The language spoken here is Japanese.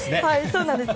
そうなんです。